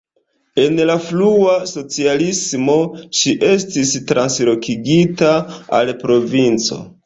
En la frua socialismo ŝi estis translokigita al provinco.